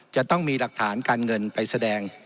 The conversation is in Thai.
จะต้องมีหลักฐานการเงินไปแสดง